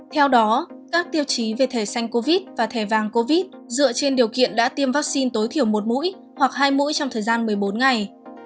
theo đó các tiêu chí về thể xanh covid và thẻ vàng covid dựa trên điều kiện đã tiêm vaccine tối thiểu một mũi hoặc hai mũi trong thời gian một mươi bốn ngày